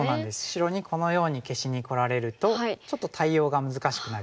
白にこのように消しにこられるとちょっと対応が難しくなりますね。